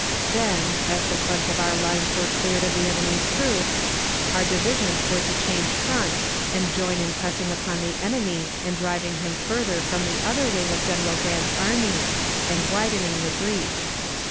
Then, as the front of our lines were cleared of the enemy's troops, our divisions were to change front and join in pressing upon the enemy and driving him farther from the other wing of General Grant's army, and widening the breach.